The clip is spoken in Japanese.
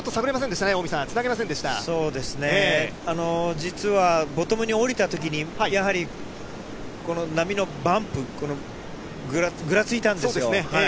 実はボトムにおりたときに、やはりこの波のバンプ、ぐらついたんですよ。